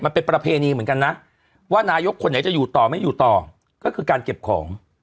ประเพณีเหมือนกันนะว่านายกคนไหนจะอยู่ต่อไม่อยู่ต่อก็คือการเก็บของ